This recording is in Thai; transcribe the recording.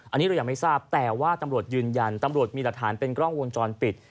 อันนี้เรายังไม่ทราบแต่ว่าตำรวจยืนยันตำรวจมีหลักฐานเป็นกล้องวงจรปิด